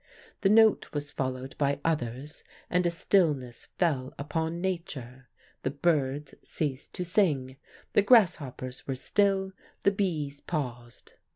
The note was followed by others, and a stillness fell upon Nature; the birds ceased to sing, the grasshoppers were still, the bees paused.